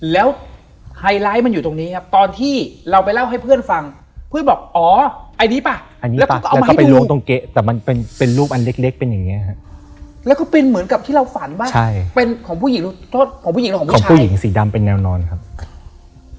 แล้วไฮไลท์มันอยู่ตรงนี้ครับตอนที่เราไปเล่าให้เพื่อนฟังเพื่อนบอกอ๋อไอ้นี้ป่ะอันนี้แล้วก็เอามาไปล้วงตรงเก๊ะแต่มันเป็นรูปอันเล็กเป็นอย่างเงี้ฮะแล้วก็เป็นเหมือนกับที่เราฝันว่าใช่เป็นของผู้หญิงโทษของผู้หญิงสีดำเป็นแนวนอนครับ